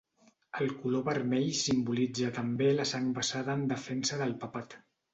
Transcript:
El color vermell simbolitza també la sang vessada en defensa del papat.